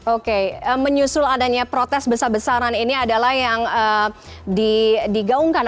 oke menyusul adanya protes besar besaran ini adalah yang digaungkan